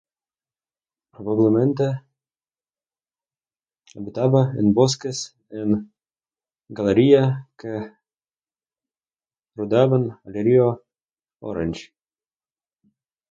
Probablemente habitaba en bosques en galería que rodeaban al río Orange.